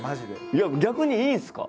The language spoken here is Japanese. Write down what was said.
いや逆にいいんすか？